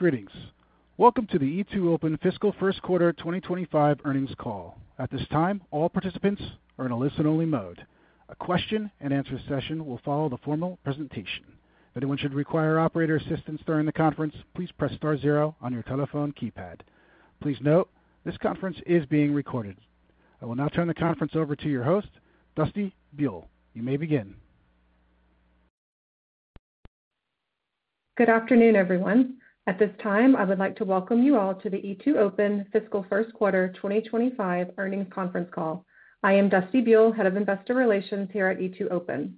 Greetings. Welcome to the E2open fiscal first quarter 2025 earnings call. At this time, all participants are in a listen-only mode. A question-and-answer session will follow the formal presentation. If anyone should require operator assistance during the conference, please press star zero on your telephone keypad. Please note, this conference is being recorded. I will now turn the conference over to your host, Dusty Buell. You may begin. Good afternoon, everyone. At this time, I would like to welcome you all to the E2open fiscal first quarter 2025 earnings conference call. I am Dusty Buell, Head of Investor Relations here at E2open.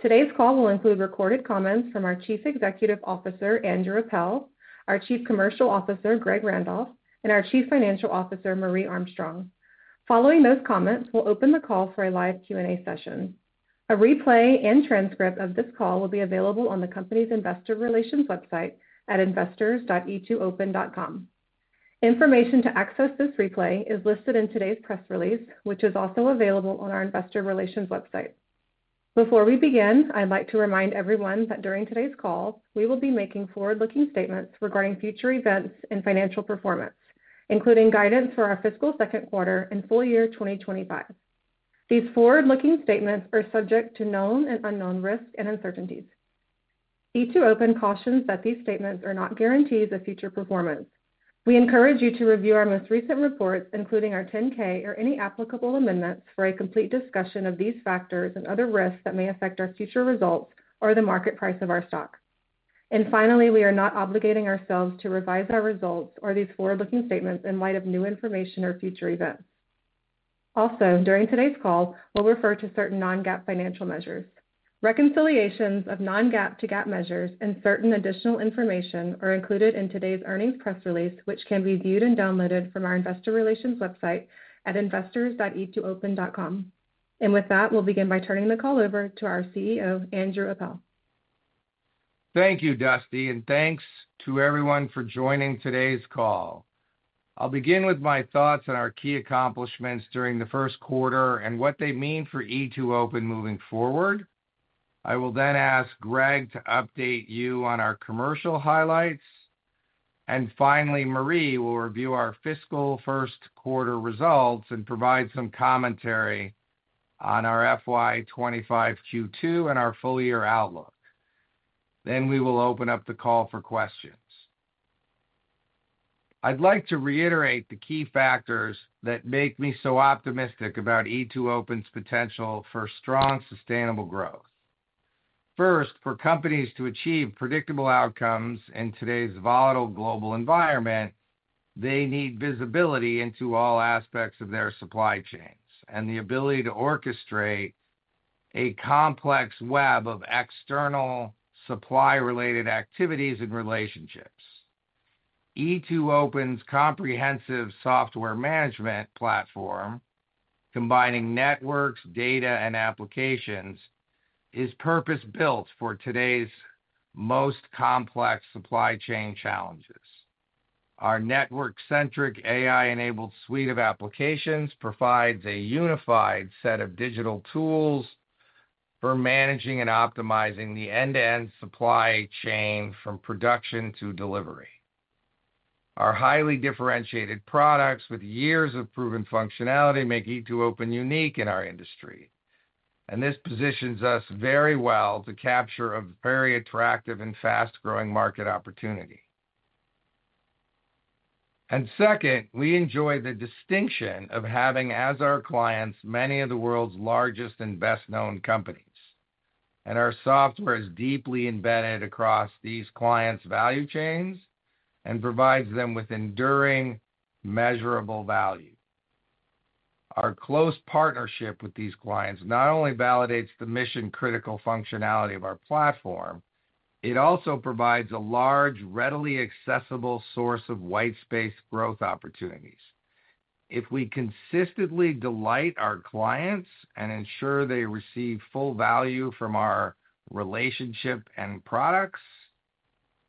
Today's call will include recorded comments from our Chief Executive Officer, Andrew Appel, our Chief Commercial Officer, Greg Randolph, and our Chief Financial Officer, Marje Armstrong. Following those comments, we'll open the call for a live Q&A session. A replay and transcript of this call will be available on the company's investor relations website at investors.e2open.com. Information to access this replay is listed in today's press release, which is also available on our investor relations website. Before we begin, I'd like to remind everyone that during today's call, we will be making forward-looking statements regarding future events and financial performance, including guidance for our fiscal second quarter and full year 2025. These forward-looking statements are subject to known and unknown risks and uncertainties. E2open cautions that these statements are not guarantees of future performance. We encourage you to review our most recent reports, including our 10-K or any applicable amendments, for a complete discussion of these factors and other risks that may affect our future results or the market price of our stock. Finally, we are not obligating ourselves to revise our results or these forward-looking statements in light of new information or future events. Also, during today's call, we'll refer to certain non-GAAP financial measures. Reconciliations of non-GAAP to GAAP measures and certain additional information are included in today's earnings press release, which can be viewed and downloaded from our investor relations website at investors.e2open.com. With that, we'll begin by turning the call over to our CEO, Andrew Appel. Thank you, Dusty, and thanks to everyone for joining today's call. I'll begin with my thoughts on our key accomplishments during the first quarter and what they mean for E2open moving forward. I will then ask Greg to update you on our commercial highlights. Finally, Marje will review our fiscal first quarter results and provide some commentary on our FY 25 Q2 and our full-year outlook. We will open up the call for questions. I'd like to reiterate the key factors that make me so optimistic about E2open's potential for strong, sustainable growth. First, for companies to achieve predictable outcomes in today's volatile global environment, they need visibility into all aspects of their supply chains and the ability to orchestrate a complex web of external supply-related activities and relationships. E2open's comprehensive software management platform, combining networks, data, and applications, is purpose-built for today's most complex supply chain challenges. Our network-centric, AI-enabled suite of applications provides a unified set of digital tools for managing and optimizing the end-to-end supply chain, from production to delivery. Our highly differentiated products, with years of proven functionality, make E2open unique in our industry, and this positions us very well to capture a very attractive and fast-growing market opportunity. And second, we enjoy the distinction of having, as our clients, many of the world's largest and best-known companies. And our software is deeply embedded across these clients' value chains and provides them with enduring, measurable value. Our close partnership with these clients not only validates the mission-critical functionality of our platform, it also provides a large, readily accessible source of white space growth opportunities. If we consistently delight our clients and ensure they receive full value from our relationship and products,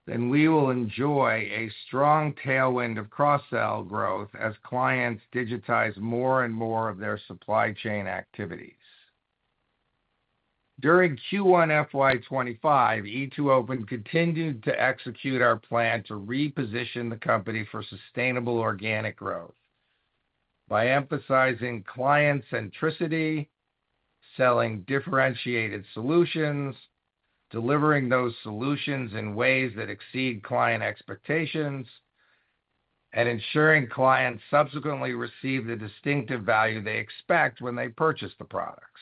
then we will enjoy a strong tailwind of cross-sell growth as clients digitize more and more of their supply chain activities. During Q1 FY 2025, E2open continued to execute our plan to reposition the company for sustainable organic growth by emphasizing client centricity, selling differentiated solutions, delivering those solutions in ways that exceed client expectations, and ensuring clients subsequently receive the distinctive value they expect when they purchase the products.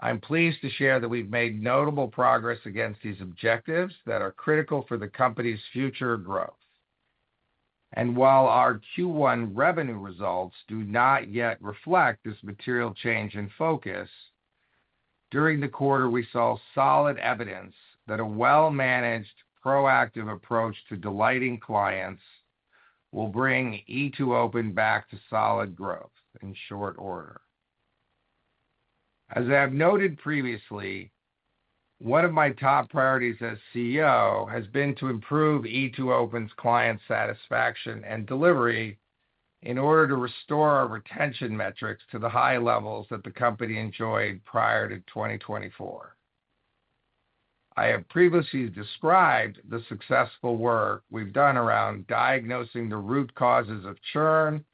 I'm pleased to share that we've made notable progress against these objectives that are critical for the company's future growth. While our Q1 revenue results do not yet reflect this material change in focus, during the quarter, we saw solid evidence that a well-managed, proactive approach to delighting clients will bring E2open back to solid growth in short order. As I have noted previously, one of my top priorities as CEO has been to improve E2open's client satisfaction and delivery in order to restore our retention metrics to the high levels that the company enjoyed prior to 2024. I have previously described the successful work we've done around diagnosing the root causes of churn,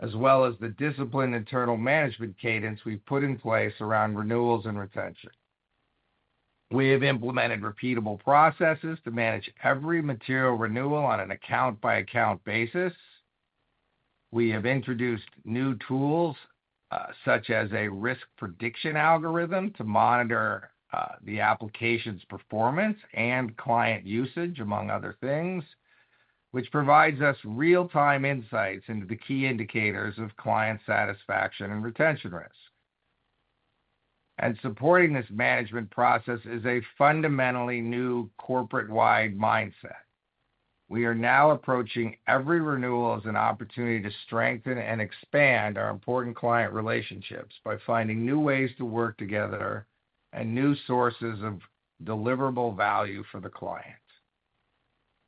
as well as the disciplined internal management cadence we've put in place around renewals and retention. We have implemented repeatable processes to manage every material renewal on an account-by-account basis. We have introduced new tools, such as a risk prediction algorithm, to monitor the application's performance and client usage, among other things, which provides us real-time insights into the key indicators of client satisfaction and retention risk. And supporting this management process is a fundamentally new corporate-wide mindset. We are now approaching every renewal as an opportunity to strengthen and expand our important client relationships by finding new ways to work together and new sources of deliverable value for the client.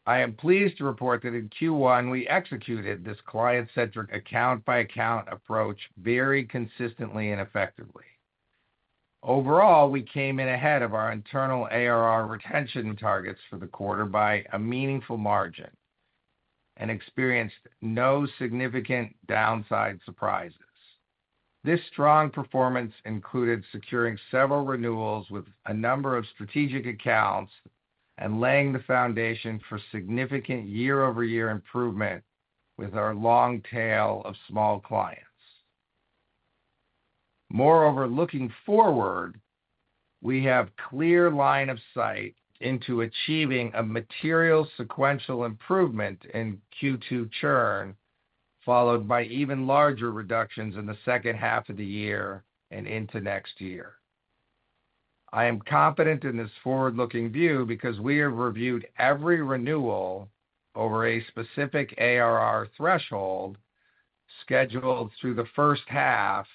I am pleased to report that in Q1, we executed this client-centric account-by-account approach very consistently and effectively. Overall, we came in ahead of our internal ARR retention targets for the quarter by a meaningful margin and experienced no significant downside surprises. This strong performance included securing several renewals with a number of strategic accounts and laying the foundation for significant year-over-year improvement with our long tail of small clients. Moreover, looking forward, we have clear line of sight into achieving a material sequential improvement in Q2 churn, followed by even larger reductions in the second half of the year and into next year. I am confident in this forward-looking view because we have reviewed every renewal over a specific ARR threshold scheduled through the first half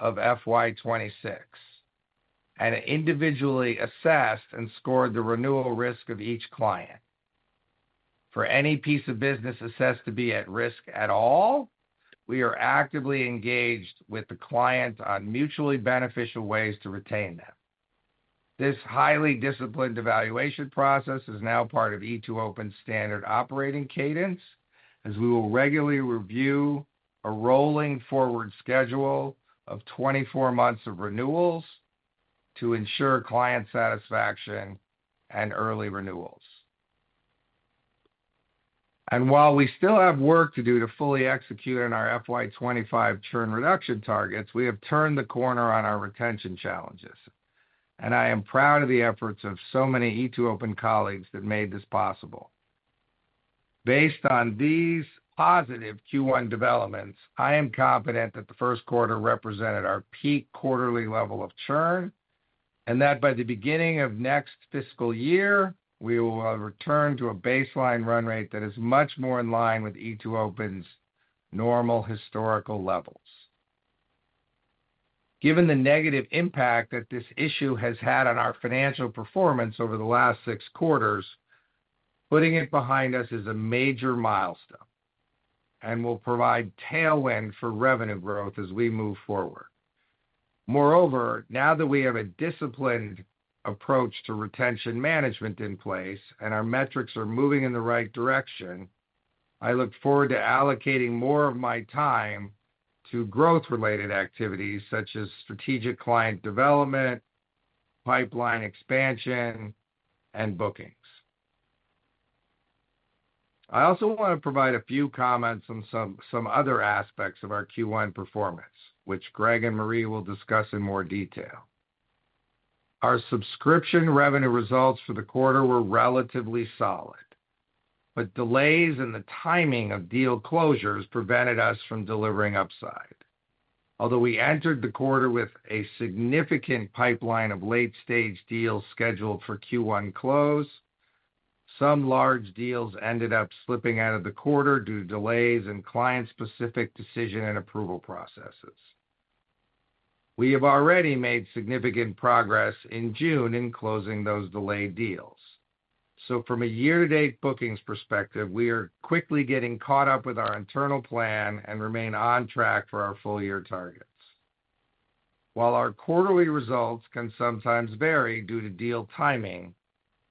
of FY 26, and individually assessed and scored the renewal risk of each client. For any piece of business assessed to be at risk at all, we are actively engaged with the client on mutually beneficial ways to retain them. This highly disciplined evaluation process is now part of E2open's standard operating cadence, as we will regularly review a rolling forward schedule of 24 months of renewals to ensure client satisfaction and early renewals. And while we still have work to do to fully execute on our FY 25 churn reduction targets, we have turned the corner on our retention challenges, and I am proud of the efforts of so many E2open colleagues that made this possible. Based on these positive Q1 developments, I am confident that the first quarter represented our peak quarterly level of churn, and that by the beginning of next fiscal year, we will have returned to a baseline run rate that is much more in line with E2open's normal historical levels. Given the negative impact that this issue has had on our financial performance over the last six quarters, putting it behind us is a major milestone and will provide tailwind for revenue growth as we move forward. Moreover, now that we have a disciplined approach to retention management in place and our metrics are moving in the right direction, I look forward to allocating more of my time to growth-related activities such as strategic client development, pipeline expansion, and bookings. I also want to provide a few comments on some other aspects of our Q1 performance, which Greg and Marje will discuss in more detail. Our subscription revenue results for the quarter were relatively solid, but delays in the timing of deal closures prevented us from delivering upside. Although we entered the quarter with a significant pipeline of late-stage deals scheduled for Q1 close, some large deals ended up slipping out of the quarter due to delays in client-specific decision and approval processes. We have already made significant progress in June in closing those delayed deals. So from a year-to-date bookings perspective, we are quickly getting caught up with our internal plan and remain on track for our full-year targets. While our quarterly results can sometimes vary due to deal timing,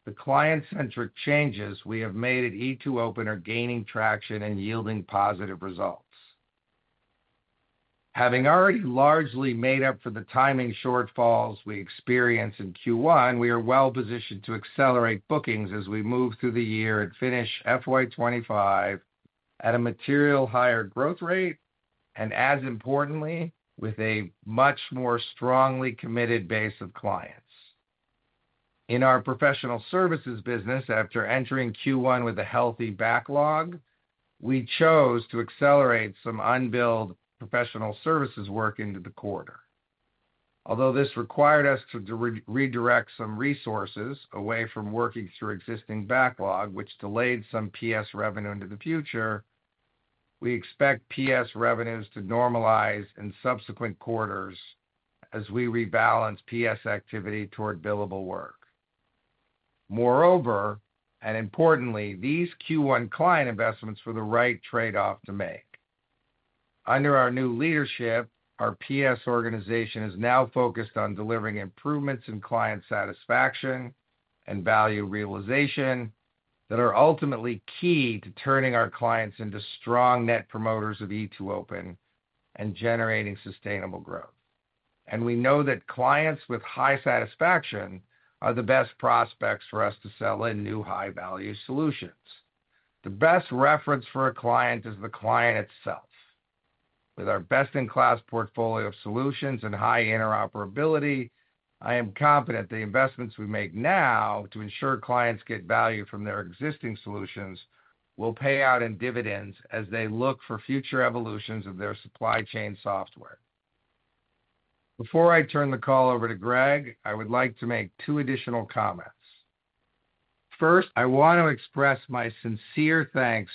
the client-centric changes we have made at E2open are gaining traction and yielding positive results. Having already largely made up for the timing shortfalls we experienced in Q1, we are well positioned to accelerate bookings as we move through the year and finish FY 25 at a material higher growth rate, and as importantly, with a much more strongly committed base of clients. In our professional services business, after entering Q1 with a healthy backlog, we chose to accelerate some unbilled professional services work into the quarter. Although this required us to redirect some resources away from working through existing backlog, which delayed some PS revenue into the future, we expect PS revenues to normalize in subsequent quarters as we rebalance PS activity toward billable work. Moreover, and importantly, these Q1 client investments were the right trade-off to make. Under our new leadership, our PS organization is now focused on delivering improvements in client satisfaction and value realization that are ultimately key to turning our clients into strong net promoters of E2open and generating sustainable growth. We know that clients with high satisfaction are the best prospects for us to sell in new high-value solutions. The best reference for a client is the client itself. With our best-in-class portfolio of solutions and high interoperability, I am confident the investments we make now to ensure clients get value from their existing solutions will pay out in dividends as they look for future evolutions of their supply chain software. Before I turn the call over to Greg, I would like to make two additional comments. First, I want to express my sincere thanks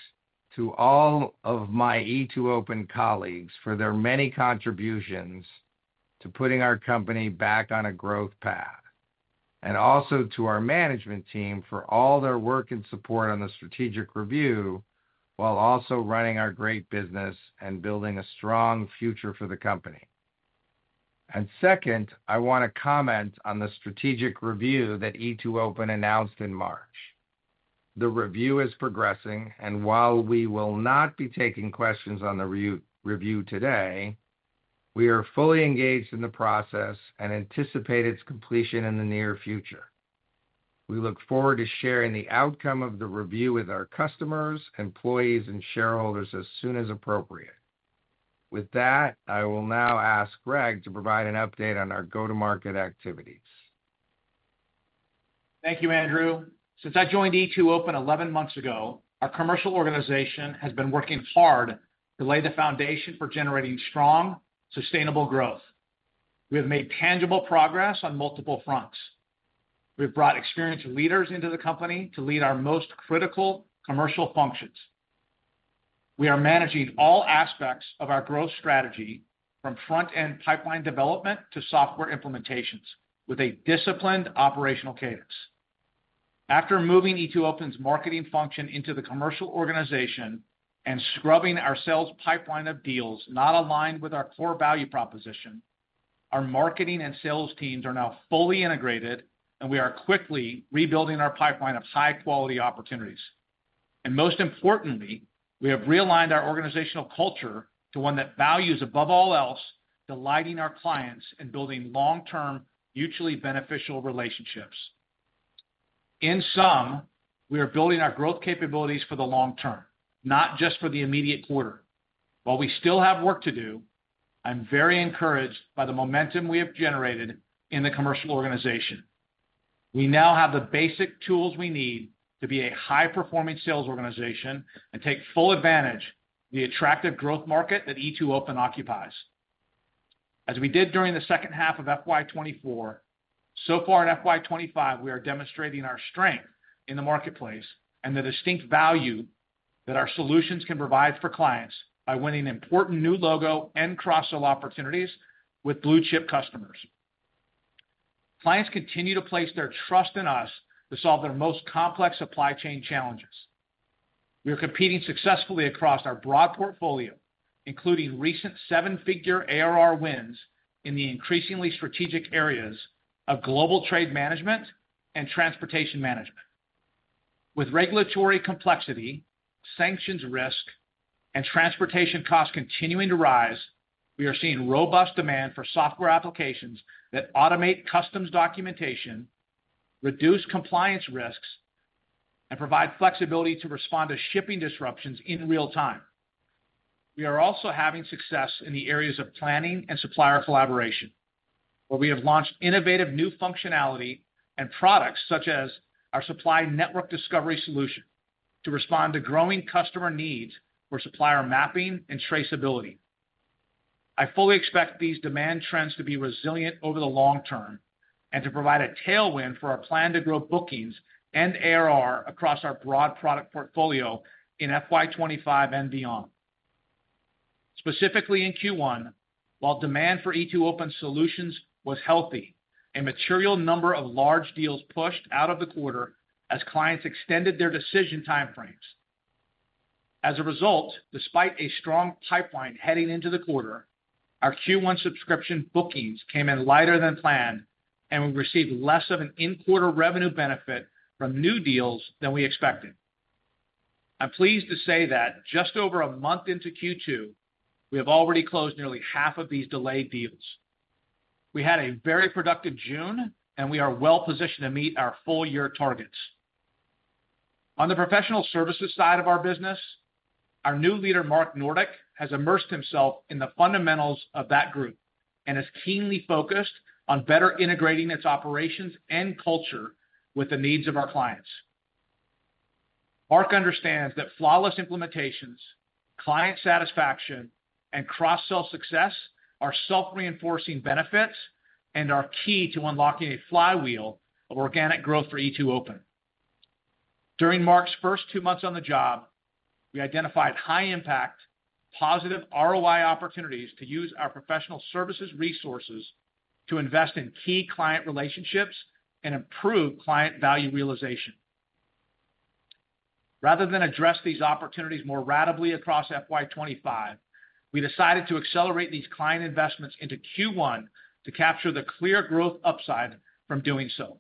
to all of my E2open colleagues for their many contributions to putting our company back on a growth path, and also to our management team for all their work and support on the strategic review, while also running our great business and building a strong future for the company. Second, I want to comment on the strategic review that E2open announced in March. The review is progressing, and while we will not be taking questions on the review today, we are fully engaged in the process and anticipate its completion in the near future. We look forward to sharing the outcome of the review with our customers, employees, and shareholders as soon as appropriate. With that, I will now ask Greg to provide an update on our go-to-market activities. Thank you, Andrew. Since I joined E2open 11 months ago, our commercial organization has been working hard to lay the foundation for generating strong, sustainable growth. We have made tangible progress on multiple fronts. We've brought experienced leaders into the company to lead our most critical commercial functions. We are managing all aspects of our growth strategy, from front-end pipeline development to software implementations, with a disciplined operational cadence. After moving E2open's marketing function into the commercial organization and scrubbing our sales pipeline of deals not aligned with our core value proposition, our marketing and sales teams are now fully integrated, and we are quickly rebuilding our pipeline of high-quality opportunities. And most importantly, we have realigned our organizational culture to one that values, above all else, delighting our clients and building long-term, mutually beneficial relationships. In sum, we are building our growth capabilities for the long term, not just for the immediate quarter. While we still have work to do, I'm very encouraged by the momentum we have generated in the commercial organization. We now have the basic tools we need to be a high-performing sales organization and take full advantage of the attractive growth market that E2open occupies. As we did during the second half of FY 2024, so far in FY 2025, we are demonstrating our strength in the marketplace and the distinct value that our solutions can provide for clients by winning important new logo and cross-sell opportunities with blue-chip customers. Clients continue to place their trust in us to solve their most complex supply chain challenges. We are competing successfully across our broad portfolio, including recent seven-figure ARR wins in the increasingly strategic areas of Global Trade Management and Transportation Management. With regulatory complexity, sanctions risk, and transportation costs continuing to rise, we are seeing robust demand for software applications that automate customs documentation, reduce compliance risks, and provide flexibility to respond to shipping disruptions in real time. We are also having success in the areas of planning and supplier collaboration, where we have launched innovative new functionality and products such as our Supply Network Discovery solution, to respond to growing customer needs for supplier mapping and traceability. I fully expect these demand trends to be resilient over the long term and to provide a tailwind for our plan to grow bookings and ARR across our broad product portfolio in FY 2025 and beyond. Specifically in Q1, while demand for E2open solutions was healthy, a material number of large deals pushed out of the quarter as clients extended their decision time frames. As a result, despite a strong pipeline heading into the quarter, our Q1 subscription bookings came in lighter than planned, and we received less of an in-quarter revenue benefit from new deals than we expected. I'm pleased to say that just over a month into Q2, we have already closed nearly half of these delayed deals. We had a very productive June, and we are well positioned to meet our full-year targets. On the professional services side of our business, our new leader, Mark Nordick, has immersed himself in the fundamentals of that group and is keenly focused on better integrating its operations and culture with the needs of our clients. Mark understands that flawless implementations, client satisfaction, and cross-sell success are self-reinforcing benefits and are key to unlocking a flywheel of organic growth for E2open.... During Mark's first two months on the job, we identified high impact, positive ROI opportunities to use our professional services resources to invest in key client relationships and improve client value realization. Rather than address these opportunities more ratably across FY 2025, we decided to accelerate these client investments into Q1 to capture the clear growth upside from doing so.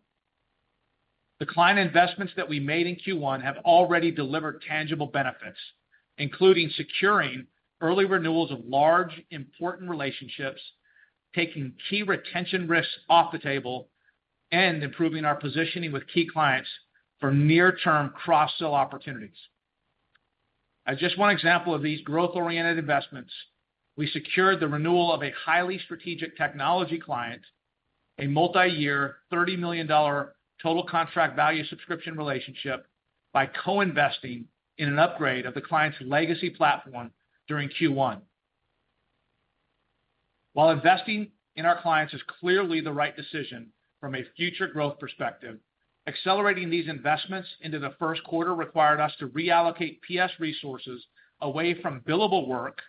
The client investments that we made in Q1 have already delivered tangible benefits, including securing early renewals of large, important relationships, taking key retention risks off the table, and improving our positioning with key clients for near-term cross-sell opportunities. As just one example of these growth-oriented investments, we secured the renewal of a highly strategic technology client, a multi-year, $30 million total contract value subscription relationship, by co-investing in an upgrade of the client's legacy platform during Q1. While investing in our clients is clearly the right decision from a future growth perspective, accelerating these investments into the first quarter required us to reallocate PS resources away from billable work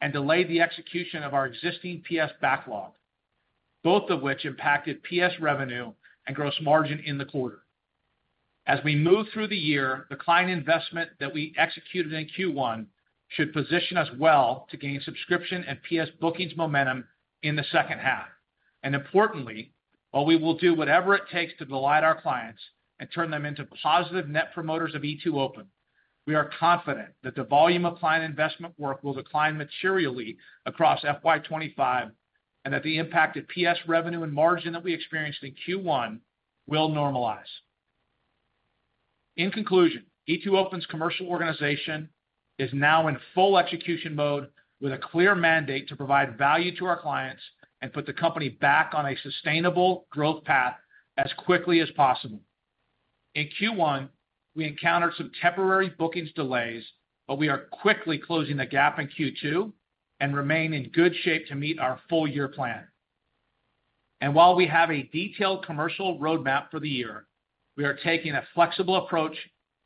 and delay the execution of our existing PS backlog, both of which impacted PS revenue and gross margin in the quarter. As we move through the year, the client investment that we executed in Q1 should position us well to gain subscription and PS bookings momentum in the second half. Importantly, while we will do whatever it takes to delight our clients and turn them into positive net promoters of E2open, we are confident that the volume of client investment work will decline materially across FY 25, and that the impact at PS revenue and margin that we experienced in Q1 will normalize. In conclusion, E2open's commercial organization is now in full execution mode, with a clear mandate to provide value to our clients and put the company back on a sustainable growth path as quickly as possible. In Q1, we encountered some temporary bookings delays, but we are quickly closing the gap in Q2 and remain in good shape to meet our full-year plan. While we have a detailed commercial roadmap for the year, we are taking a flexible approach,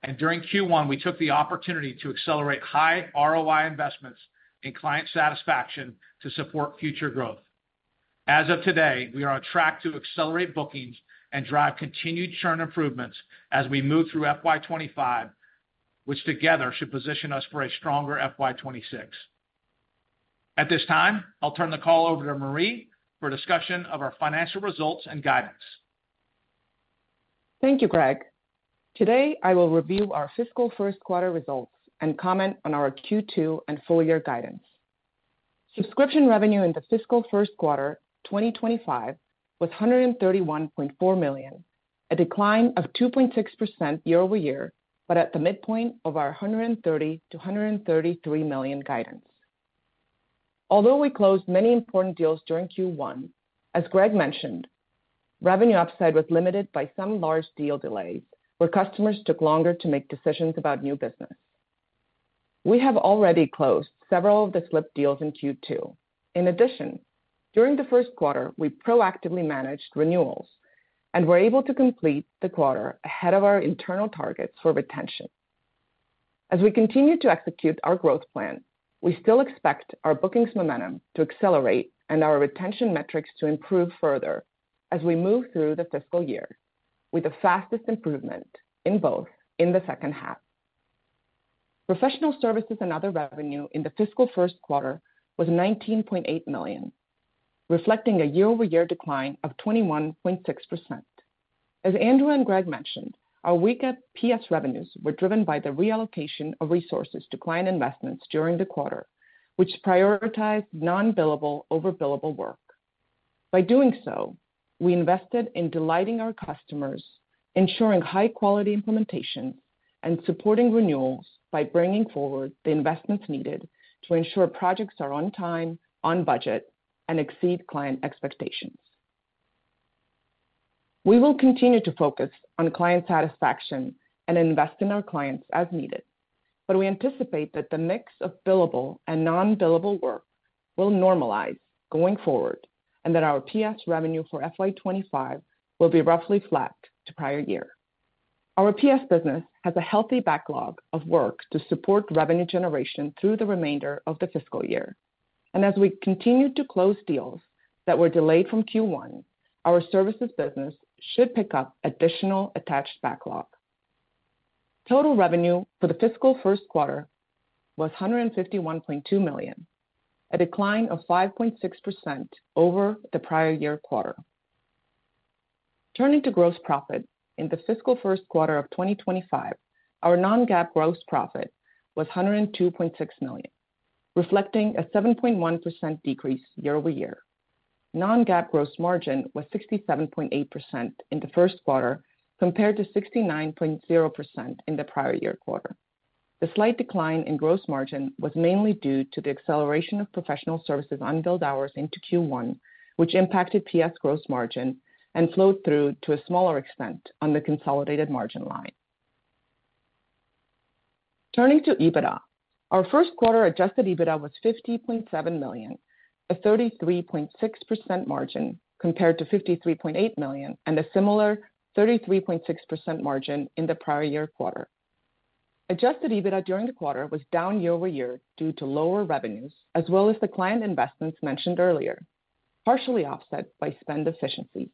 and during Q1, we took the opportunity to accelerate high ROI investments in client satisfaction to support future growth. As of today, we are on track to accelerate bookings and drive continued churn improvements as we move through FY 2025, which together should position us for a stronger FY 2026. At this time, I'll turn the call over to Marje for a discussion of our financial results and guidance. Thank you, Greg. Today, I will review our fiscal first quarter results and comment on our Q2 and full year guidance. Subscription revenue in the fiscal first quarter 2025 was $131.4 million, a decline of 2.6% year-over-year, but at the midpoint of our $130 million-$133 million guidance. Although we closed many important deals during Q1, as Greg mentioned, revenue upside was limited by some large deal delays, where customers took longer to make decisions about new business. We have already closed several of the slipped deals in Q2. In addition, during the first quarter, we proactively managed renewals, and we're able to complete the quarter ahead of our internal targets for retention. As we continue to execute our growth plan, we still expect our bookings momentum to accelerate and our retention metrics to improve further as we move through the fiscal year, with the fastest improvement in both in the second half. Professional services and other revenue in the fiscal first quarter was $19.8 million, reflecting a year-over-year decline of 21.6%. As Andrew and Greg mentioned, our weaker PS revenues were driven by the reallocation of resources to client investments during the quarter, which prioritized non-billable over billable work. By doing so, we invested in delighting our customers, ensuring high-quality implementation, and supporting renewals by bringing forward the investments needed to ensure projects are on time, on budget, and exceed client expectations. We will continue to focus on client satisfaction and invest in our clients as needed, but we anticipate that the mix of billable and non-billable work will normalize going forward, and that our PS revenue for FY 2025 will be roughly flat to prior year. Our PS business has a healthy backlog of work to support revenue generation through the remainder of the fiscal year. As we continue to close deals that were delayed from Q1, our services business should pick up additional attached backlog. Total revenue for the fiscal first quarter was $151.2 million, a decline of 5.6% over the prior year quarter. Turning to gross profit, in the fiscal first quarter of 2025, our non-GAAP gross profit was $102.6 million, reflecting a 7.1% decrease year-over-year. Non-GAAP gross margin was 67.8% in the first quarter, compared to 69.0% in the prior year quarter. The slight decline in gross margin was mainly due to the acceleration of professional services unbilled hours into Q1, which impacted PS gross margin and flowed through to a smaller extent on the consolidated margin line. Turning to EBITDA. Our first quarter adjusted EBITDA was $50.7 million, a 33.6% margin compared to $53.8 million, and a similar 33.6% margin in the prior year quarter. Adjusted EBITDA during the quarter was down year-over-year due to lower revenues, as well as the client investments mentioned earlier, partially offset by spend efficiencies.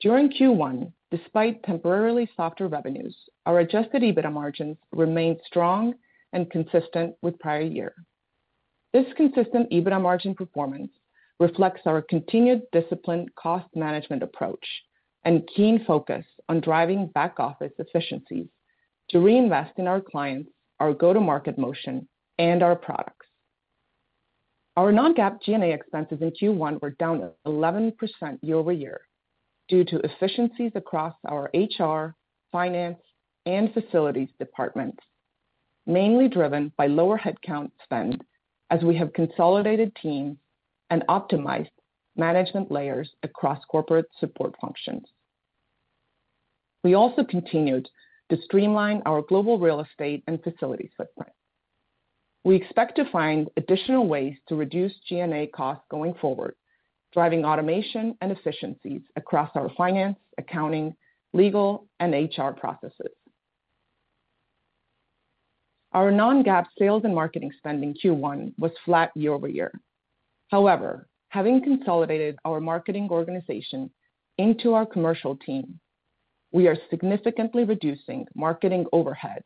During Q1, despite temporarily softer revenues, our adjusted EBITDA margins remained strong and consistent with prior year. This consistent EBITDA margin performance reflects our continued disciplined cost management approach and keen focus on driving back-office efficiencies to reinvest in our clients, our go-to-market motion, and our products. Our non-GAAP G&A expenses in Q1 were down 11% year-over-year due to efficiencies across our HR, finance, and facilities departments, mainly driven by lower headcount spend, as we have consolidated teams and optimized management layers across corporate support functions. We also continued to streamline our global real estate and facilities footprint. We expect to find additional ways to reduce G&A costs going forward, driving automation and efficiencies across our finance, accounting, legal, and HR processes. Our non-GAAP sales and marketing spending in Q1 was flat year-over-year. However, having consolidated our marketing organization into our commercial team, we are significantly reducing marketing overhead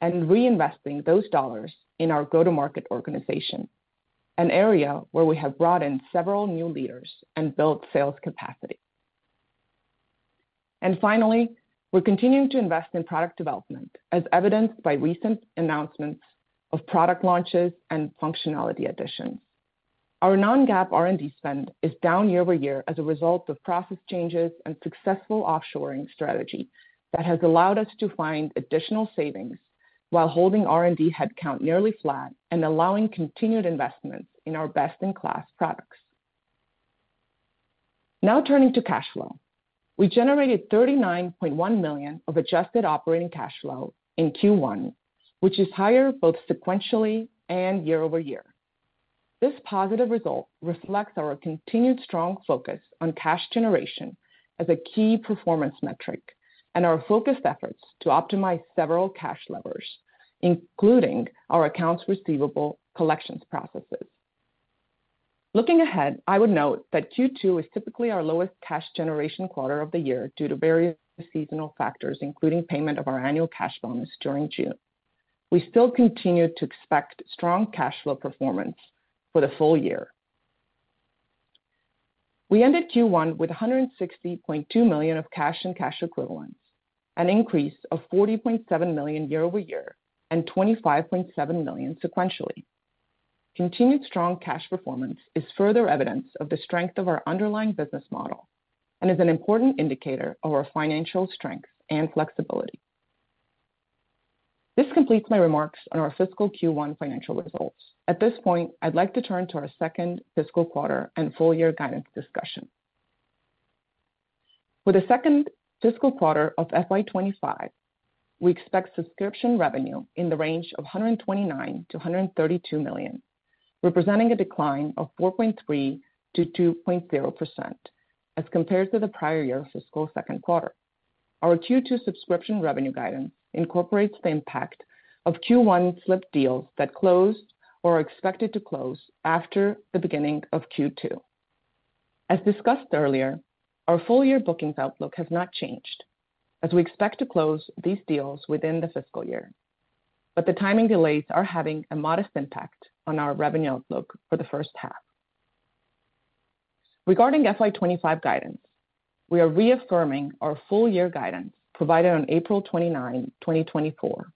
and reinvesting those dollars in our go-to-market organization, an area where we have brought in several new leaders and built sales capacity. Finally, we're continuing to invest in product development, as evidenced by recent announcements of product launches and functionality additions. Our non-GAAP R&D spend is down year-over-year as a result of process changes and successful offshoring strategy that has allowed us to find additional savings while holding R&D headcount nearly flat and allowing continued investments in our best-in-class products. Now turning to cash flow. We generated $39.1 million of adjusted operating cash flow in Q1, which is higher both sequentially and year-over-year. This positive result reflects our continued strong focus on cash generation as a key performance metric and our focused efforts to optimize several cash levers, including our accounts receivable collections processes. Looking ahead, I would note that Q2 is typically our lowest cash generation quarter of the year due to various seasonal factors, including payment of our annual cash bonus during June. We still continue to expect strong cash flow performance for the full year. We ended Q1 with $160.2 million of Cash and Cash Equivalents, an increase of $40.7 million year-over-year, and $25.7 million sequentially. Continued strong cash performance is further evidence of the strength of our underlying business model and is an important indicator of our financial strength and flexibility. This completes my remarks on our fiscal Q1 financial results. At this point, I'd like to turn to our second fiscal quarter and full year guidance discussion. For the second fiscal quarter of FY 2025, we expect subscription revenue in the range of $129 million-$132 million, representing a decline of 4.3%-2.0% as compared to the prior year fiscal second quarter. Our Q2 subscription revenue guidance incorporates the impact of Q1 slipped deals that closed or are expected to close after the beginning of Q2. As discussed earlier, our full year bookings outlook has not changed, as we expect to close these deals within the fiscal year, but the timing delays are having a modest impact on our revenue outlook for the first half. Regarding FY 2025 guidance, we are reaffirming our full year guidance provided on April 29, 2024.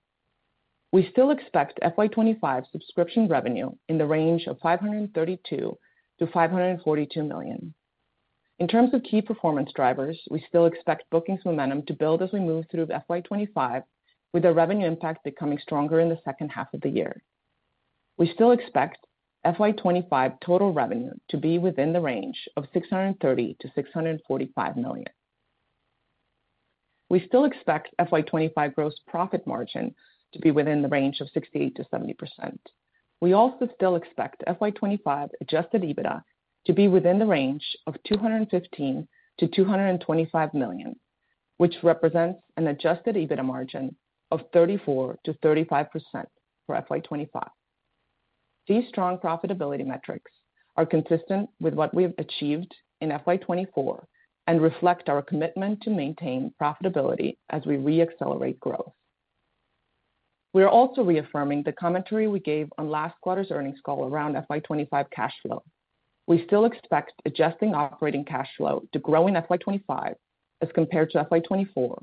We still expect FY 2025 subscription revenue in the range of $532 million-$542 million. In terms of key performance drivers, we still expect bookings momentum to build as we move through FY 2025, with the revenue impact becoming stronger in the second half of the year. We still expect FY 2025 total revenue to be within the range of $630 million-$645 million. We still expect FY 2025 gross profit margin to be within the range of 68%-70%. We also still expect FY 2025 Adjusted EBITDA to be within the range of $215 million-$225 million, which represents an Adjusted EBITDA margin of 34%-35% for FY 2025. These strong profitability metrics are consistent with what we have achieved in FY 2024 and reflect our commitment to maintain profitability as we re-accelerate growth. We are also reaffirming the commentary we gave on last quarter's earnings call around FY 2025 cash flow. We still expect Adjusted operating cash flow to grow in FY 2025 as compared to FY 2024,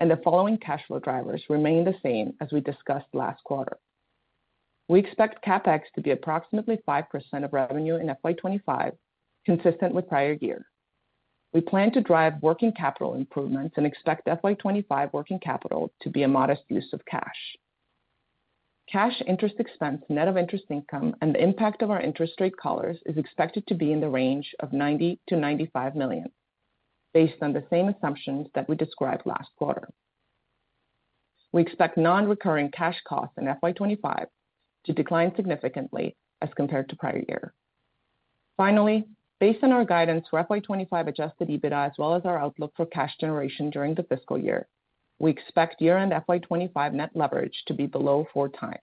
and the following cash flow drivers remain the same as we discussed last quarter. We expect CapEx to be approximately 5% of revenue in FY 2025, consistent with prior year. We plan to drive working capital improvements and expect FY 2025 working capital to be a modest use of cash. Cash interest expense, net of interest income, and the impact of our interest rate collars is expected to be in the range of $90 million-$95 million, based on the same assumptions that we described last quarter. We expect non-recurring cash costs in FY 25 to decline significantly as compared to prior year. Finally, based on our guidance for FY 25 Adjusted EBITDA, as well as our outlook for cash generation during the fiscal year, we expect year-end FY 25 Net Leverage to be below 4 times.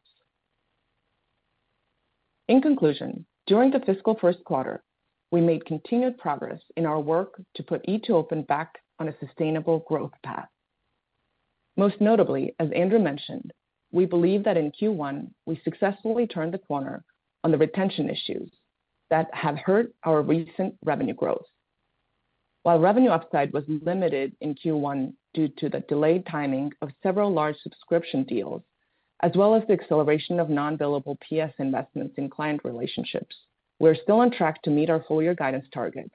In conclusion, during the fiscal first quarter, we made continued progress in our work to put E2open back on a sustainable growth path. Most notably, as Andrew mentioned, we believe that in Q1, we successfully turned the corner on the retention issues that have hurt our recent revenue growth. While revenue upside was limited in Q1 due to the delayed timing of several large subscription deals, as well as the acceleration of non-billable PS investments in client relationships, we're still on track to meet our full year guidance targets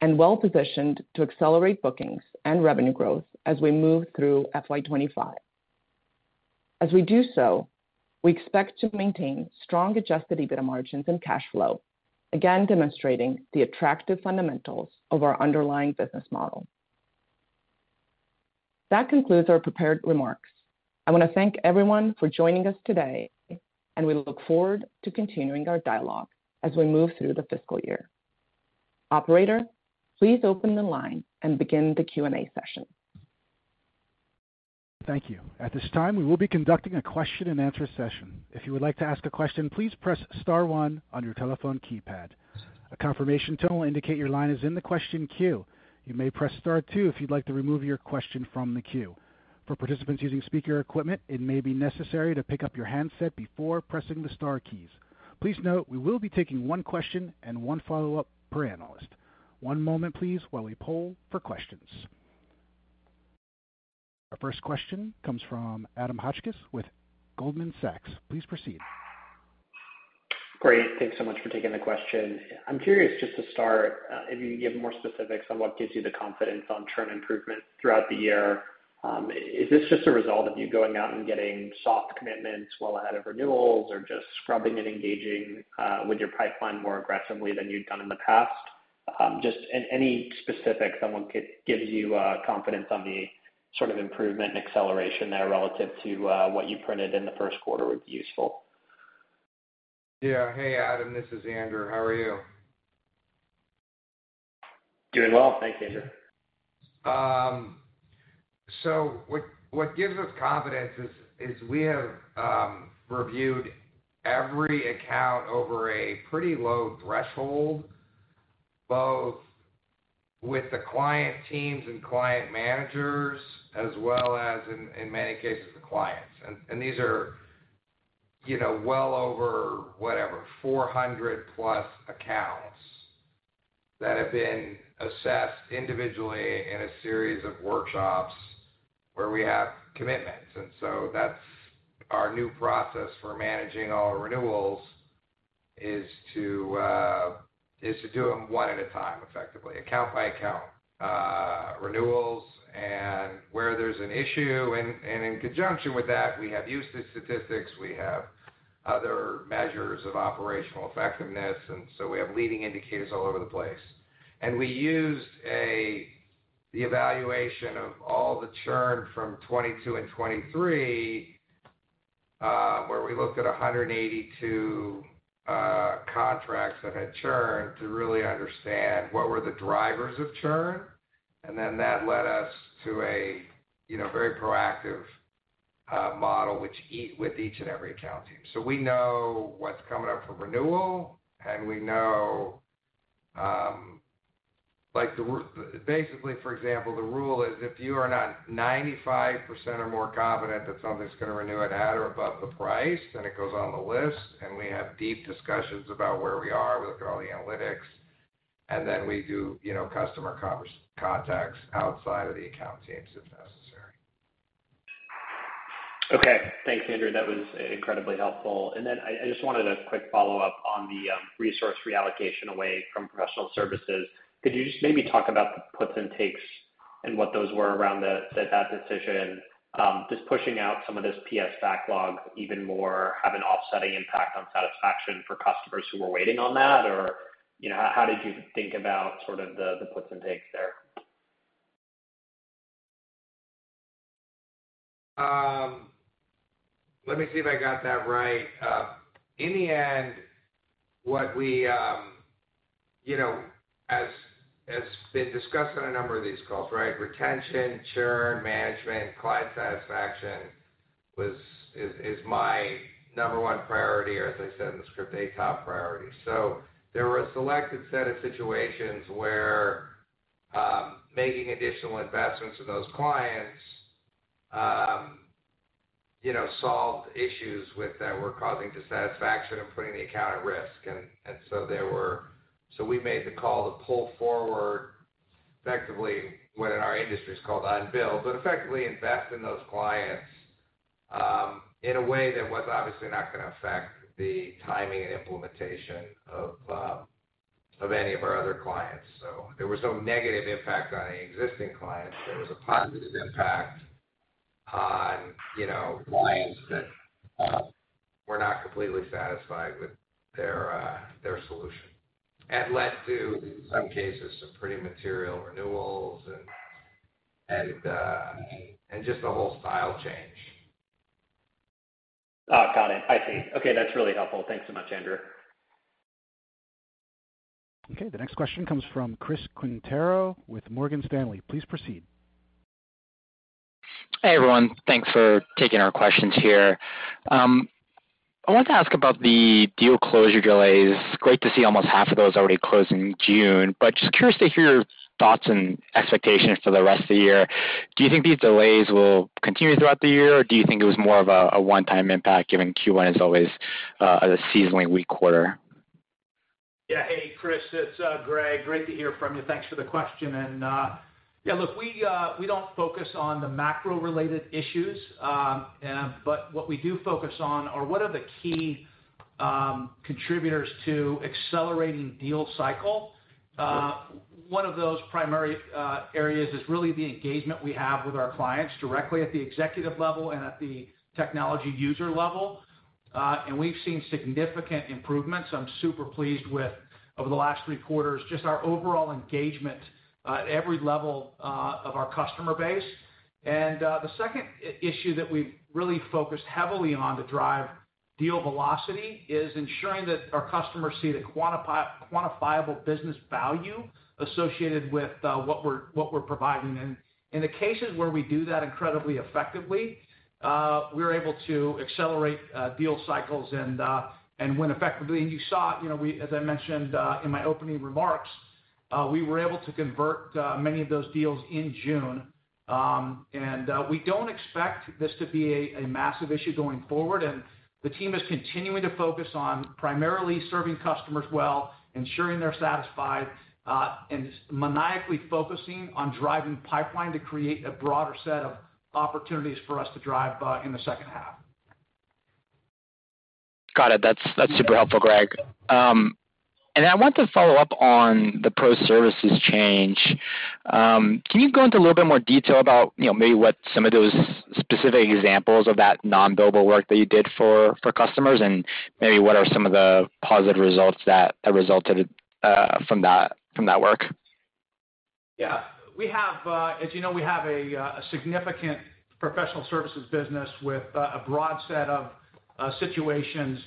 and well-positioned to accelerate bookings and revenue growth as we move through FY 2025. As we do so, we expect to maintain strong Adjusted EBITDA margins and cash flow, again, demonstrating the attractive fundamentals of our underlying business model. That concludes our prepared remarks. I want to thank everyone for joining us today, and we look forward to continuing our dialogue as we move through the fiscal year. Operator, please open the line and begin the Q&A session. Thank you. At this time, we will be conducting a question-and-answer session. If you would like to ask a question, please press star one on your telephone keypad. A confirmation tone will indicate your line is in the question queue. You may press star two if you'd like to remove your question from the queue. For participants using speaker equipment, it may be necessary to pick up your handset before pressing the star keys. Please note, we will be taking one question and one follow-up per analyst. One moment, please, while we poll for questions. Our first question comes from Adam Hotchkiss with Goldman Sachs. Please proceed. Great. Thanks so much for taking the question. I'm curious just to start, if you can give more specifics on what gives you the confidence on churn improvement throughout the year. Is this just a result of you going out and getting soft commitments well ahead of renewals, or just scrubbing and engaging with your pipeline more aggressively than you'd done in the past? Just any specifics on what gives you confidence on the sort of improvement and acceleration there relative to what you printed in the first quarter would be useful. Yeah. Hey, Adam, this is Andrew. How are you? Doing well. Thanks, Andrew. So what gives us confidence is we have reviewed every account over a pretty low threshold, both with the client teams and client managers, as well as in many cases, the clients. And these are, you know, well over, whatever, 400+ accounts that have been assessed individually in a series of workshops where we have commitments. And so that's our new process for managing all renewals is to do them one at a time, effectively, account by account, renewals and where there's an issue. And in conjunction with that, we have usage statistics, we have other measures of operational effectiveness, and so we have leading indicators all over the place. We used the evaluation of all the churn from 2022 and 2023, where we looked at 182 contracts that had churned to really understand what were the drivers of churn, and then that led us to a, you know, very proactive model, which with each and every account team. So we know what's coming up for renewal, and we know, like, basically, for example, the rule is if you are not 95% or more confident that something's gonna renew at or above the price, then it goes on the list, and we have deep discussions about where we are. We look at all the analytics, and then we do, you know, customer contacts outside of the account teams, if necessary. Okay. Thanks, Andrew. That was incredibly helpful. And then I, I just wanted a quick follow-up on the resource reallocation away from professional services. Could you just maybe talk about the puts and takes and what those were around that decision? Just pushing out some of this PS backlog even more, have an offsetting impact on satisfaction for customers who were waiting on that? Or, you know, how did you think about sort of the puts and takes there? Let me see if I got that right. In the end, what we, you know, has been discussed on a number of these calls, right, retention, churn, management, client satisfaction is my number one priority, or as I said in the script, a top priority. So there were a selected set of situations where making additional investments in those clients, you know, solved issues that were causing dissatisfaction and putting the account at risk. And so there were... So we made the call to pull forward effectively what in our industry is called unbilled, but effectively invest in those clients, in a way that was obviously not gonna affect the timing and implementation of any of our other clients. So there was no negative impact on any existing clients. There was a positive impact on, you know, clients that were not completely satisfied with their solution, and led to, in some cases, some pretty material renewals and just a whole style change. Oh, got it. I see. Okay, that's really helpful. Thanks so much, Andrew. Okay, the next question comes from Chris Quintero with Morgan Stanley. Please proceed. Hey, everyone. Thanks for taking our questions here. I want to ask about the deal closure delays. Great to see almost half of those already closed in June, but just curious to hear your thoughts and expectations for the rest of the year. Do you think these delays will continue throughout the year, or do you think it was more of a one-time impact, given Q1 is always a seasonally weak quarter? Yeah. Hey, Chris, it's Greg. Great to hear from you. Thanks for the question. And yeah, look, we don't focus on the macro-related issues, but what we do focus on are what are the key contributors to accelerating deal cycle. One of those primary areas is really the engagement we have with our clients directly at the executive level and at the technology user level. And we've seen significant improvements. I'm super pleased with, over the last three quarters, just our overall engagement at every level of our customer base. And the second issue that we've really focused heavily on to drive deal velocity is ensuring that our customers see the quantifiable business value associated with what we're providing. In the cases where we do that incredibly effectively, we're able to accelerate deal cycles and win effectively. And you saw, you know, we, as I mentioned in my opening remarks, we were able to convert many of those deals in June. And we don't expect this to be a massive issue going forward, and the team is continuing to focus on primarily serving customers well, ensuring they're satisfied, and maniacally focusing on driving pipeline to create a broader set of opportunities for us to drive in the second half. Got it. That's, that's super helpful, Greg. And I want to follow up on the pro services change. Can you go into a little bit more detail about, you know, maybe what some of those specific examples of that non-billable work that you did for, for customers, and maybe what are some of the positive results that resulted from that, from that work? Yeah. We have, as you know, we have a significant professional services business with a broad set of situations,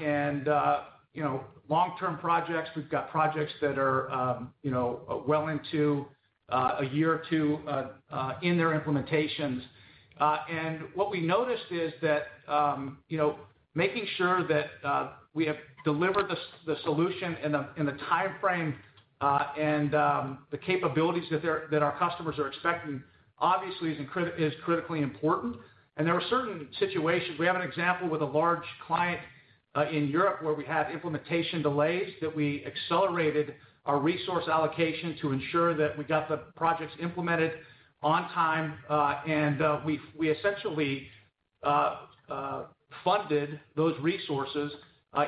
and, you know, long-term projects. We've got projects that are, you know, well into a year or two in their implementations. And what we noticed is that, you know, making sure that we have delivered the solution in the timeframe, and the capabilities that our customers are expecting, obviously is critically important. And there are certain situations. We have an example with a large client in Europe, where we had implementation delays that we accelerated our resource allocation to ensure that we got the projects implemented on time. We've essentially funded those resources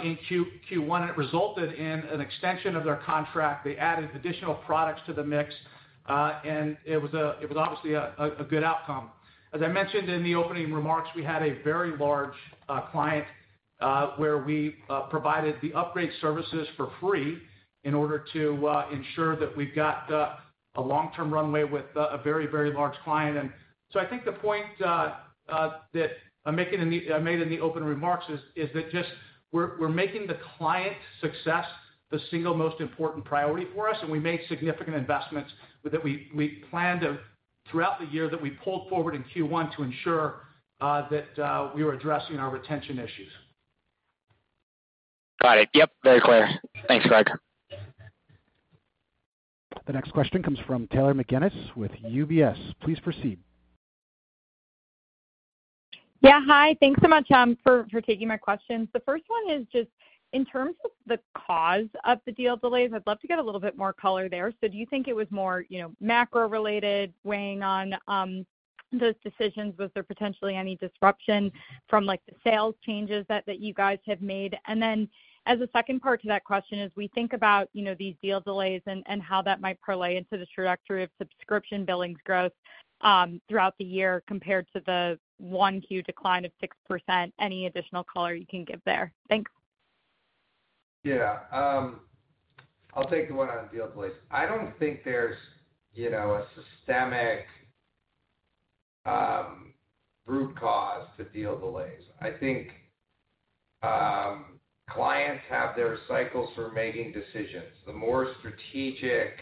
in Q1, and it resulted in an extension of their contract. They added additional products to the mix, and it was obviously a good outcome. As I mentioned in the opening remarks, we had a very large client where we provided the upgrade services for free in order to ensure that we've got a long-term runway with a very, very large client. And so I think the point that I'm making in the, I made in the opening remarks is that just we're making the client's success the single most important priority for us, and we make significant investments, but that we plan to, throughout the year, that we pulled forward in Q1 to ensure that we were addressing our retention issues. Got it. Yep, very clear. Thanks, Greg. The next question comes from Taylor McGinnis with UBS. Please proceed. Yeah, hi. Thanks so much for taking my questions. The first one is just in terms of the cause of the deal delays. I'd love to get a little bit more color there. So do you think it was more, you know, macro-related, weighing on those decisions? Was there potentially any disruption from, like, the sales changes that you guys have made? And then, as a second part to that question, as we think about, you know, these deal delays and how that might play out into the trajectory of subscription billings growth throughout the year compared to the 1Q decline of 6%, any additional color you can give there? Thanks. Yeah, I'll take the one on deal delays. I don't think there's, you know, a systemic root cause to deal delays. I think, clients have their cycles for making decisions. The more strategic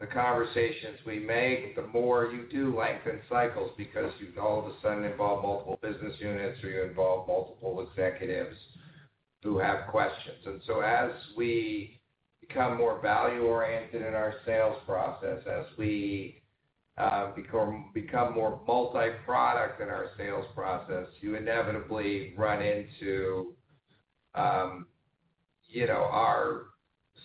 the conversations we make, the more you do lengthen cycles, because you all of a sudden involve multiple business units, or you involve multiple executives who have questions. And so as we become more value-oriented in our sales process, as we, become, become more multi-product in our sales process, you inevitably run into, you know, our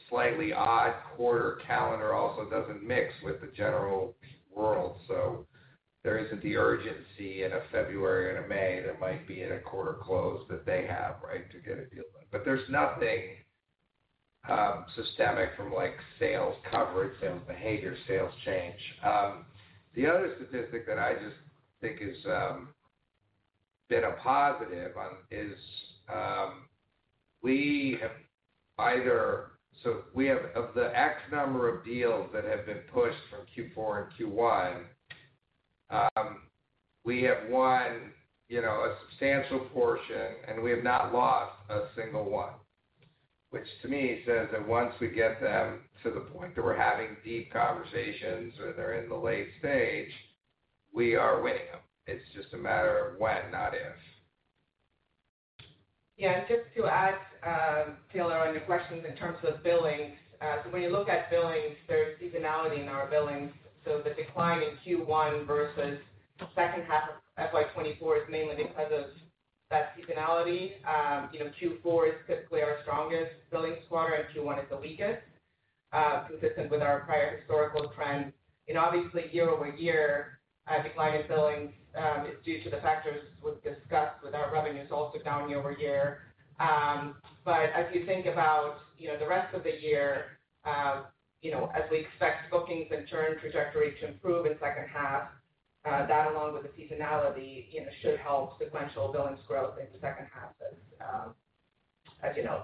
slightly odd quarter calendar also doesn't mix with the general world. So there isn't the urgency in a February and a May, that might be in a quarter close that they have, right, to get a deal done. But there's nothing... systemic from like sales coverage and behavior sales change. The other statistic that I just think is been a positive on is we have, of the X number of deals that have been pushed from Q4 and Q1, we have won, you know, a substantial portion, and we have not lost a single one, which to me says that once we get them to the point that we're having deep conversations or they're in the late stage, we are winning them. It's just a matter of when, not if. Yeah, just to add, Taylor, on your questions in terms of billings. So when you look at billings, there's seasonality in our billings. So the decline in Q1 versus the second half of FY 2024 is mainly because of that seasonality. You know, Q4 is typically our strongest billing quarter, and Q1 is the weakest, consistent with our prior historical trends. And obviously, year-over-year decline in billings is due to the factors we've discussed, with our revenues also down year-over-year. But as you think about, you know, the rest of the year, you know, as we expect bookings and churn trajectory to improve in second half, that along with the seasonality, you know, should help sequential billings growth in the second half as, as you know.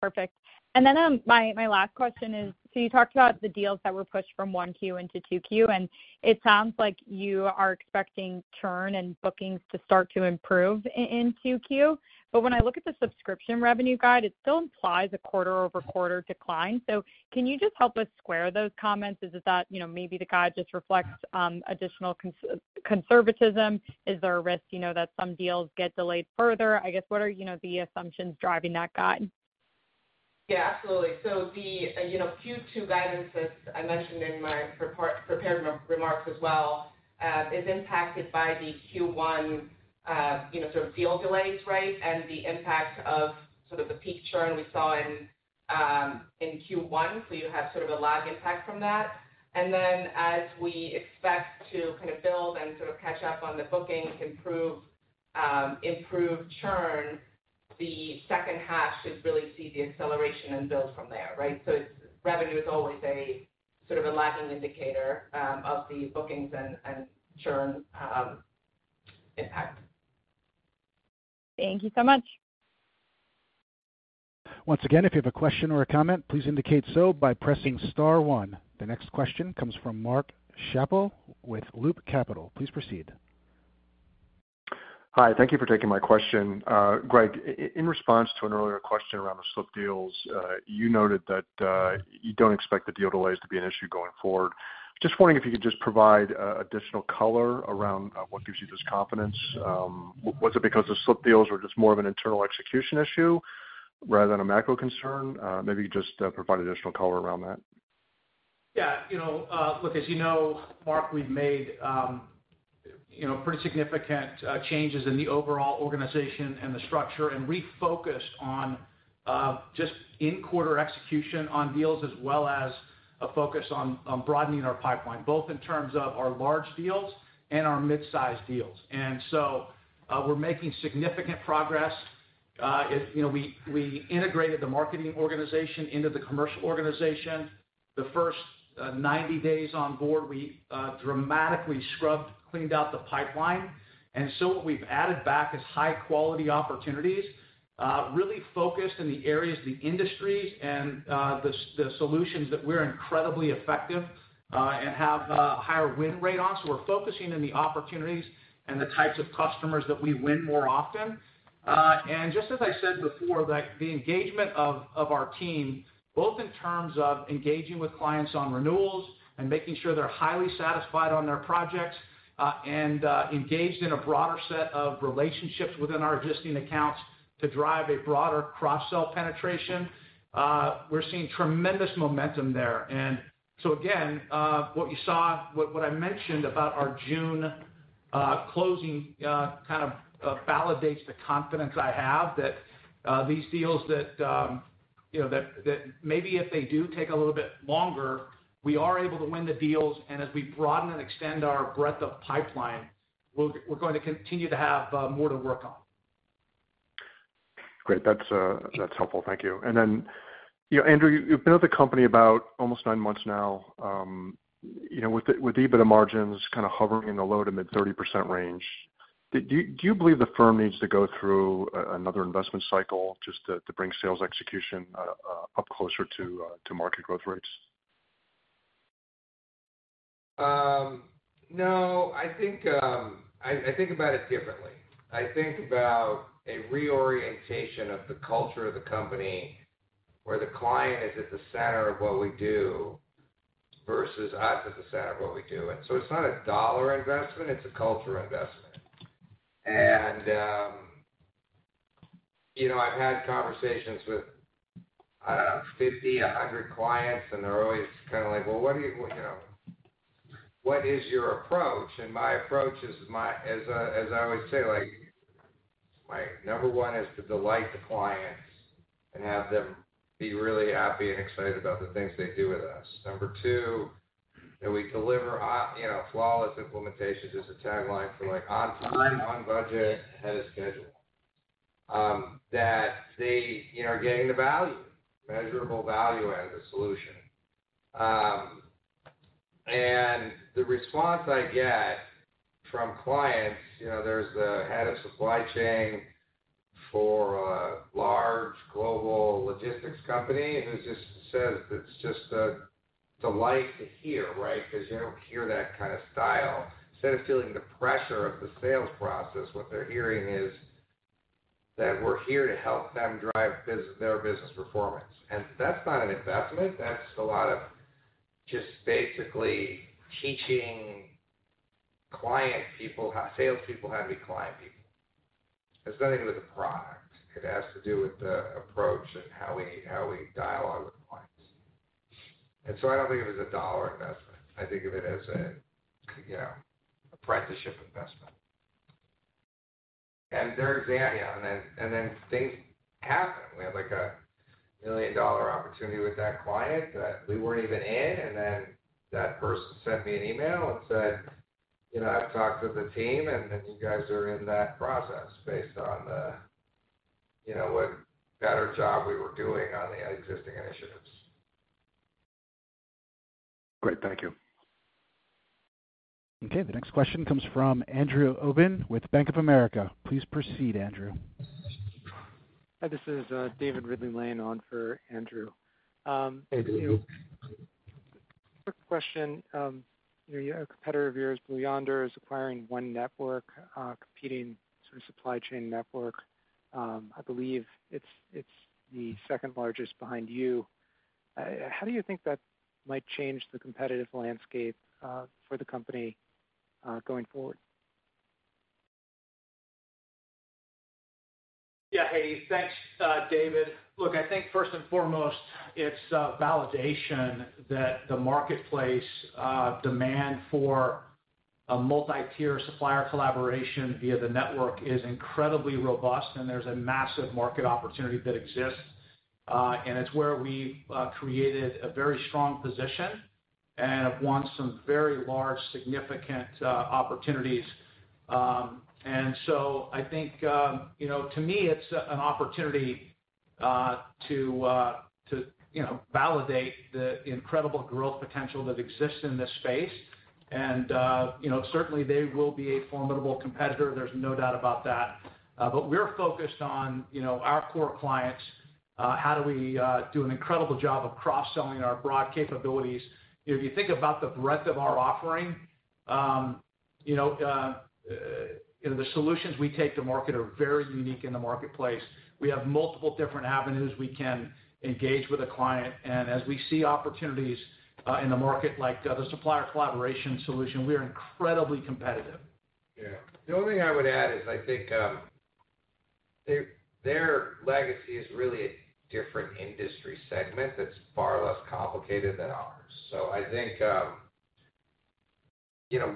Perfect. And then, my last question is, so you talked about the deals that were pushed from Q1 into Q2, and it sounds like you are expecting churn and bookings to start to improve in Q2. But when I look at the subscription revenue guide, it still implies a quarter-over-quarter decline. So can you just help us square those comments? Is it that, you know, maybe the guide just reflects additional conservatism? Is there a risk, you know, that some deals get delayed further? I guess, what are, you know, the assumptions driving that guide? Yeah, absolutely. So the, you know, Q2 guidance, as I mentioned in my prepared remarks as well, is impacted by the Q1, you know, sort of deal delays, right? And the impact of sort of the peak churn we saw in Q1. So you have sort of a lag impact from that. And then as we expect to kind of build and sort of catch up on the bookings, improve churn, the second half should really see the acceleration and build from there, right? So it's revenue is always a sort of a lagging indicator of the bookings and churn impact. Thank you so much. Once again, if you have a question or a comment, please indicate so by pressing star one. The next question comes from Mark Schappel with Loop Capital. Please proceed. Hi, thank you for taking my question. Greg, in response to an earlier question around the slipped deals, you noted that you don't expect the deal delays to be an issue going forward. Just wondering if you could just provide additional color around what gives you this confidence. Was it because the slipped deals were just more of an internal execution issue rather than a macro concern? Maybe just provide additional color around that. Yeah, you know, look, as you know, Mark, we've made, you know, pretty significant changes in the overall organization and the structure, and refocused on just in-quarter execution on deals, as well as a focus on, on broadening our pipeline, both in terms of our large deals and our mid-sized deals. And so, we're making significant progress. It, you know, we integrated the marketing organization into the commercial organization. The first 90 days on board, we dramatically scrubbed, cleaned out the pipeline. And so what we've added back is high-quality opportunities, really focused in the areas, the industries, and the solutions that we're incredibly effective, and have higher win rate on. So we're focusing on the opportunities and the types of customers that we win more often. Just as I said before, the engagement of our team, both in terms of engaging with clients on renewals and making sure they're highly satisfied on their projects, and engaged in a broader set of relationships within our existing accounts to drive a broader cross-sell penetration, we're seeing tremendous momentum there. And so again, what you saw, what I mentioned about our June closing, kind of, validates the confidence I have that these deals that, you know, that maybe if they do take a little bit longer, we are able to win the deals. And as we broaden and extend our breadth of pipeline, we're going to continue to have more to work on. Great. That's, that's helpful. Thank you. And then, you know, Andrew, you've been at the company about almost nine months now. You know, with the, with EBITDA margins kind of hovering in the low to mid 30% range, do you believe the firm needs to go through another investment cycle just to bring sales execution up closer to market growth rates? No, I think about it differently. I think about a reorientation of the culture of the company, where the client is at the center of what we do, versus us at the center of what we do. And so it's not a dollar investment, it's a culture investment. And, you know, I've had conversations with, I don't know, 50, 100 clients, and they're always kind of like, "Well, what do you, you know, what is your approach?" And my approach is, as I always say, like, my number one is to delight the clients and have them be really happy and excited about the things they do with us. Number two, that we deliver on, you know, flawless implementation is a tagline for, like, on time, on budget, ahead of schedule. that they, you know, are getting the value, measurable value out of the solution. And the response I get from clients, you know, there's the head of supply chain for a large global logistics company who just says it's just a delight to hear, right? Because you don't hear that kind of style. Instead of feeling the pressure of the sales process, what they're hearing is that we're here to help them drive their business performance. And if that's not an investment, that's a lot of just basically teaching client people, how sales people how to be client people. It's nothing with the product. It has to do with the approach and how we dialogue with clients. And so I don't think of it as a dollar investment. I think of it as a, you know, apprenticeship investment. Yeah, and then, and then things happen. We have, like, a $1 million opportunity with that client that we weren't even in, and then that person sent me an email and said, "You know, I've talked with the team, and you guys are in that process," based on the, you know, what better job we were doing on the existing initiatives. Great, thank you. Okay, the next question comes from Andrew Obin with Bank of America. Please proceed, Andrew. Hi, this is David Ridley-Lane standing in for Andrew. Hey, David. Quick question. You know, a competitor of yours, Blue Yonder, is acquiring One Network, competing sort of supply chain network. I believe it's the second largest behind you. How do you think that might change the competitive landscape for the company going forward? Yeah, hey, thanks, David. Look, I think first and foremost, it's a validation that the marketplace demand for a multi-tier supplier collaboration via the network is incredibly robust, and there's a massive market opportunity that exists, and it's where we've created a very strong position and have won some very large, significant opportunities. And so I think, you know, to me, it's an opportunity to validate the incredible growth potential that exists in this space. And, you know, certainly they will be a formidable competitor, there's no doubt about that. But we're focused on, you know, our core clients. How do we do an incredible job of cross-selling our broad capabilities? If you think about the breadth of our offering, you know, the solutions we take to market are very unique in the marketplace. We have multiple different avenues we can engage with a client, and as we see opportunities, in the market, like the other supplier collaboration solution, we are incredibly competitive. Yeah. The only thing I would add is I think, their, their legacy is really a different industry segment that's far less complicated than ours. So I think, you know,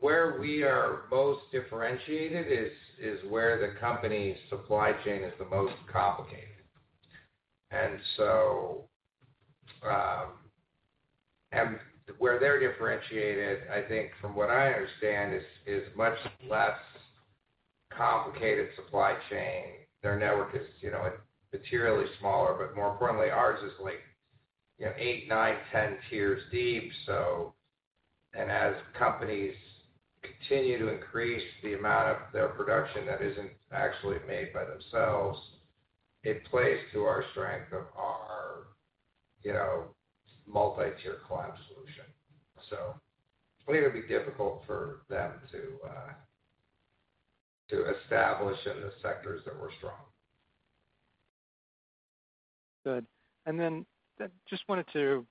where we are most differentiated is, is where the company's supply chain is the most complicated. And so, and where they're differentiated, I think, from what I understand, is, is much less complicated supply chain. Their network is, you know, materially smaller, but more importantly, ours is like, you know, eight nine, 10 tiers deep, so... And as companies continue to increase the amount of their production that isn't actually made by themselves, it plays to our strength of our, you know, multi-tier client solution. So I think it'd be difficult for them to, to establish in the sectors that we're strong. Good. And then just wanted to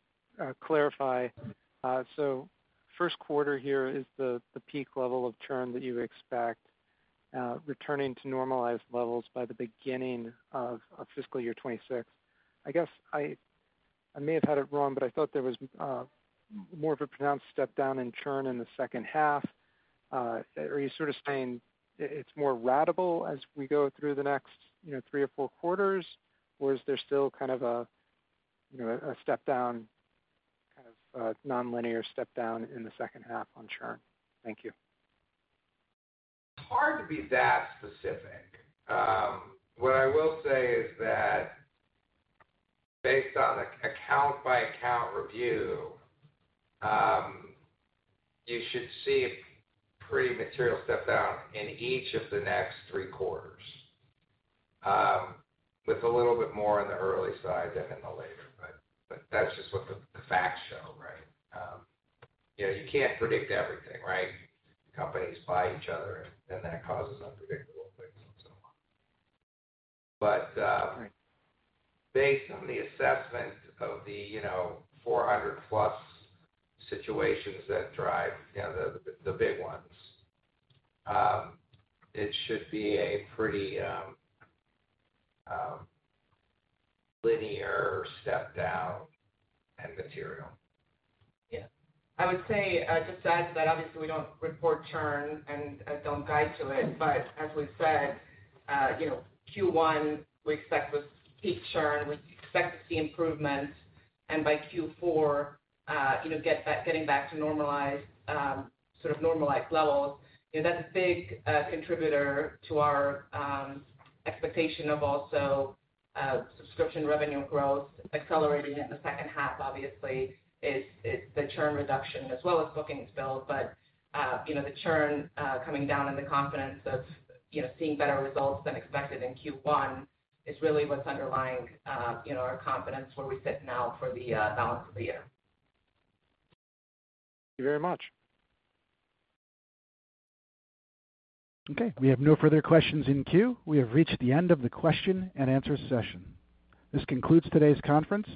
clarify. So first quarter here is the peak level of churn that you expect, returning to normalized levels by the beginning of fiscal year 2026. I guess I may have had it wrong, but I thought there was more of a pronounced step down in churn in the second half. Are you sort of saying it's more ratable as we go through the next, you know, three or four quarters? Or is there still kind of a, you know, a step down, kind of a nonlinear step down in the second half on churn? Thank you. It's hard to be that specific. What I will say is that based on an account-by-account review, you should see a pretty material step down in each of the next three quarters, with a little bit more on the early side than in the later. But that's just what the facts show, right? You know, you can't predict everything, right? Companies buy each other, and then that causes unpredictable things and so on. But, Right... based on the assessment of the, you know, 400+ situations that drive, you know, the big ones, it should be a pretty linear step down and material. Yeah. I would say, to add to that, obviously, we don't report churn and, don't guide to it. But as we've said, you know, Q1, we expect with peak churn, we expect to see improvements, and by Q4, you know, get back- getting back to normalized, sort of normalized levels. You know, that's a big, contributor to our, expectation of also, subscription revenue growth accelerating in the second half, obviously, is, is the churn reduction as well as bookings build. But, you know, the churn, coming down and the confidence of, you know, seeing better results than expected in Q1 is really what's underlying, you know, our confidence where we sit now for the, balance of the year. Thank you very much. Okay, we have no further questions in queue. We have reached the end of the question and answer session. This concludes today's conference.